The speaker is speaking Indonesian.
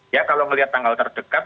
ya kalau melihat tanggal terdekat